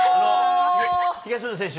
東野選手